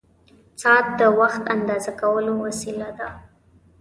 ساعت د وخت اندازه کولو وسیله ده.